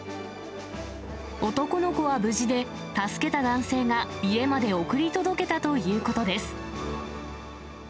男の子は無事で、助けた男性が家まで送り届けたということです。